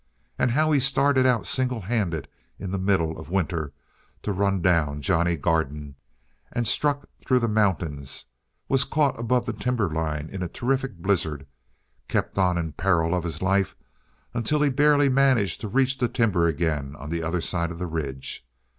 And how he started out single handed in the middle of winter to run down Johnny Garden, and struck through the mountains, was caught above the timberline in a terrific blizzard, kept on in peril of his life until he barely managed to reach the timber again on the other side of the ridge.